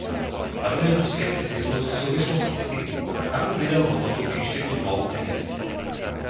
Panuje tu skepticizmus v súvislosti s tým, akú pridanú hodnotu by inštitút mohol priniesť.